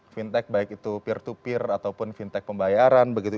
fintech baik itu peer to peer ataupun fintech pembayaran begitu